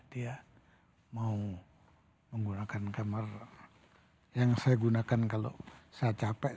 dia mau menggunakan kamar yang saya gunakan kalau saya capek